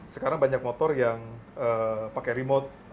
sekarang banyak motor yang pakai remote